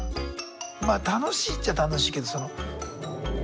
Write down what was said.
まあ楽しいっちゃ楽しいけど。